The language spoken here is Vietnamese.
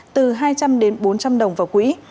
từ hai trăm linh đến bốn trăm linh đồng vào quỹ